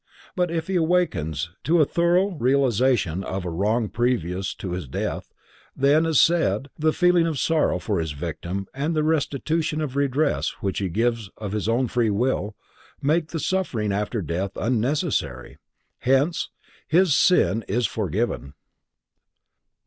But if he awakens to a thorough realization of a wrong previous to his death, then, as said, the feeling of sorrow for his victim and the restitution or redress which he gives of his own free will, make the suffering after death unnecessary, hence—"his sin is forgiven."